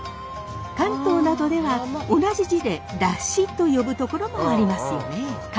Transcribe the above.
関東などでは同じ字で「山車」と呼ぶ所もありますよね。